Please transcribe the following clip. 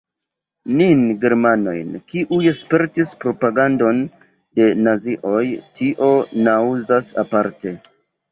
Nin germanojn, kiuj spertis propagandon de nazioj, tio naŭzas aparte.